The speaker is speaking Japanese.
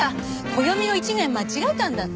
暦を１年間違えたんだって。